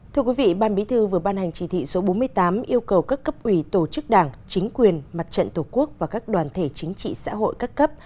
thưa quý vị ban bí thư vừa ban hành chỉ thị số bốn mươi tám yêu cầu các cấp ủy tổ chức đảng chính quyền mặt trận tổ quốc và các đoàn thể chính trị xã hội các cấp